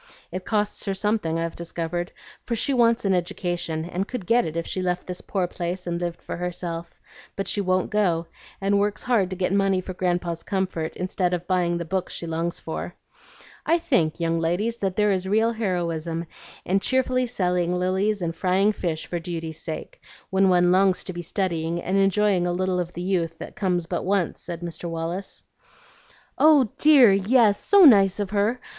It costs her something, I've discovered, for she wants an education, and could get it if she left this poor place and lived for herself; but she won't go, and works hard to get money for Grandpa's comfort, instead of buying the books she longs for. I think, young ladies, that there is real heroism in cheerfully selling lilies and frying fish for duty's sake when one longs to be studying, and enjoying a little of the youth that comes but once," said Mr. Wallace. "Oh dear, yes, so nice of her!